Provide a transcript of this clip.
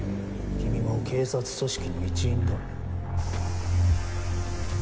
君も警察組織の一員だろ。